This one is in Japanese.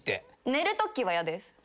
寝るときは嫌です。